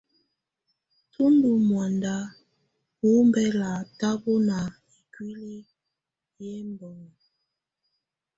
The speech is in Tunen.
Tù ndù mɔ̀ánda wù ɔmbɛla tabɔna ikuili yɛ ɛmbɔŋɔ.